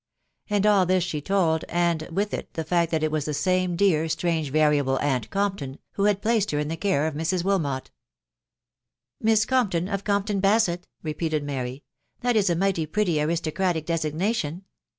And all this she toidVartd it the fact that it was this aanse dear, alsange, variable "Compton, who had placed her in ;the care of Mrs. .Wttarat. «* Miss Gernpton of Compton Basett," repeated Matty.; Glottis a nighty pretty aristocratic designation.